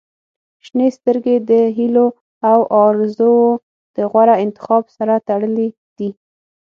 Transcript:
• شنې سترګې د هیلو او آرزووو د غوره انتخاب سره تړلې دي.